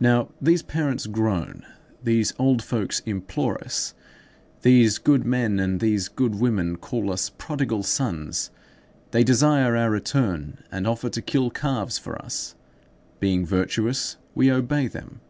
Now, these parents groan, these old folks implore us, these good men and these good women call us prodigal sons; they desire our return, and offer to kill calves for us. Being virtuous, we obey them.